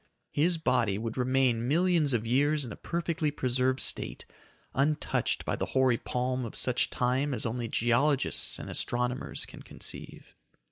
His body would remain millions of years in a perfectly preserved state, untouched by the hoary palm of such time as only geologists and astronomers can conceive.